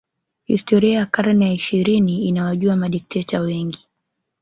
Historia ya karne ya ishirini inawajua madikteta wengi